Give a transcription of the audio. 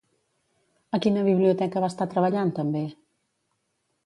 A quina biblioteca va estar treballant també?